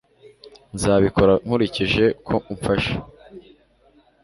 Nzabikora nkurikije ko umfasha